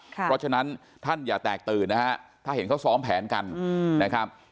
เพราะฉะนั้นท่านอย่าแตกตื่นนะฮะถ้าเห็นเขาซ้อมแผนกันนะครับ